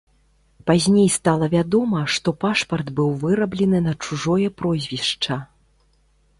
Пазней стала вядома, што пашпарт быў выраблены на чужое прозвішча.